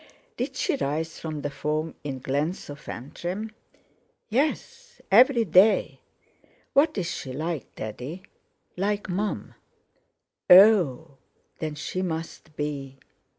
"Did she rise from the foam in Glensofantrim?" "Yes; every day." "What is she like, Daddy?" "Like Mum." "Oh! Then she must be..."